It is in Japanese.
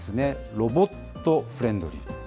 ロボットフレンドリーと。